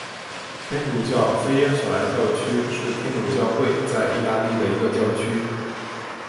天主教菲耶索莱教区是天主教会在义大利的一个教区。